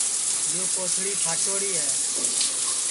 یو کوتݪی پھاٹوڑی ہے